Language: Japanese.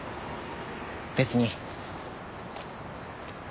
別に。